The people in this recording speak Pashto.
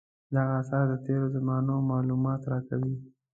دغه اثار د تېرو زمانو معلومات راکوي.